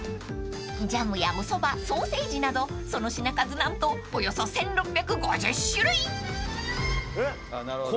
［ジャムやおそばソーセージなどその品数何とおよそ１，６５０種類］